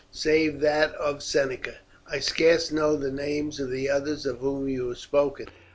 Save that of Seneca, I scarce know the names of the others of whom you have spoken.